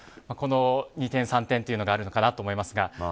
この二転三転というのがあるのかなと思いますが。